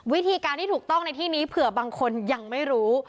วิธีการที่ถูกต้องในที่นี้เผื่อบางคนยังไม่รู้